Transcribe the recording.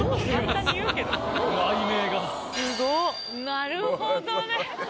なるほどね。